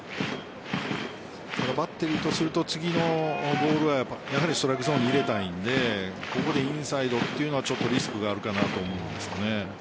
ただ、バッテリーとすると次のボールはやはりストライクゾーンに入れたいのでここでインサイドというのはリスクがあるかなと思います。